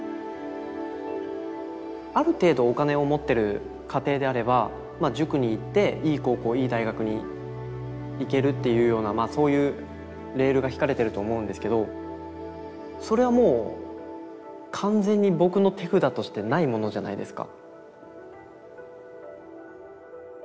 ある程度お金を持ってる家庭であれば塾に行っていい高校いい大学に行けるっていうようなそういうレールがひかれてると思うんですけどそれはもう完全に僕の手札としてないものじゃないですか。